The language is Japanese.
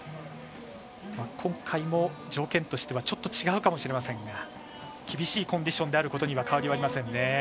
今回も、条件としてはちょっと違うかもしれませんが厳しいコンディションであることは変わりありませんね。